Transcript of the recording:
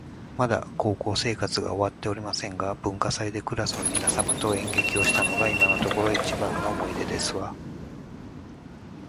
まだ高校生活が終わっておりませんが、文化祭でクラスの皆様と演劇をしたのが今のところ一番の思い出ですわ